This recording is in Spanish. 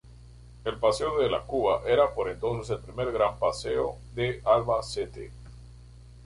El paseo de la Cuba era por entonces el primer gran paseo de Albacete.